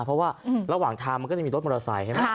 เพราะว่าระหว่างทางมันก็จะมีรถมอเตอร์ไซค์ใช่ไหม